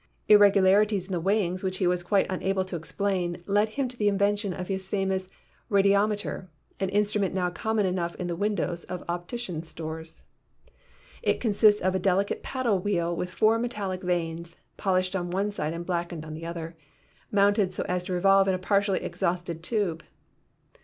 Irregularities in the weighings which he was quite unable to explain led him to the invention of his famous radiometer, an instrument now common enough in the windows of opticians' stores. Crookes' Radiometer. It consists of a delicate paddle wheel with four metallic vanes, polished on one side and blackened on the other, mounted so as to revolve in a partially exhausted tube.